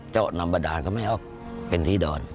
เจ้านำบดานก็ไม่เอาเป็นทีดอน